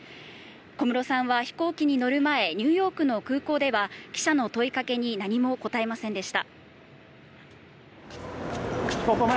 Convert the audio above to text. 小室さんは飛行機に乗る前、ニューヨークの空港では記者の問いかけに何も答えませんでした。